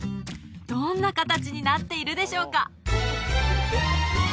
どんな形になっているでしょうか？